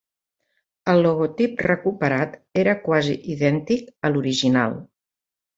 El logotip recuperat era quasi idèntic a l'original.